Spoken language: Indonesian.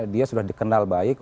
dia sudah dikenal baik